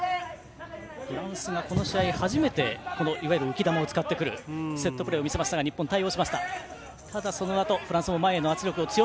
フランスがこの試合初めていわゆる浮き球を使ってくるセットプレーを見せましたが日本は対応しました。